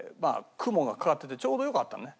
雲がかかっててちょうどよかったのね。